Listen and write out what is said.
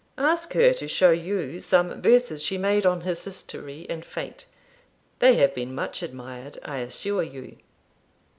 Ask her to show you some verses she made on his history and fate; they have been much admired, I assure you.